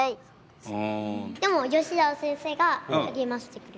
でもヨシザワ先生が励ましてくれる。